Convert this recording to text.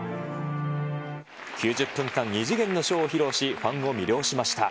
９０分間、異次元のショーを披露し、ファンを魅了しました。